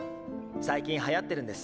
最近流行ってるんです。